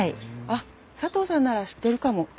あっ佐藤さんなら知ってるかも。